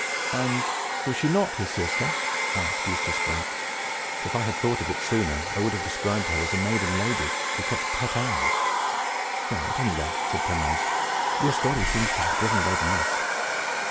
"And was she not his sister?" asked Eustace Bright. "If I had thought of it sooner, I would have described her as a maiden lady, who kept a pet owl!" "Well, at any rate," said Primrose, "your story seems to have driven away the mist."